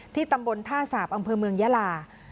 ที่ตำบลท่าสาบอ่ำเพลินเมืองยลา